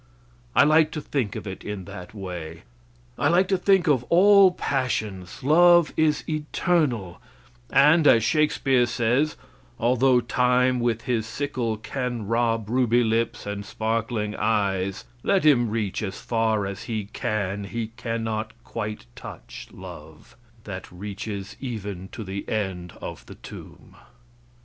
I like to think of it in that way. I like to think of all passions; love is eternal, and, as Shakespeare says, "Although Time, with his sickle, can rob ruby lips and sparkling eyes, let him reach as far as he can, he cannot quite touch love; that reaches even to the end of the tomb."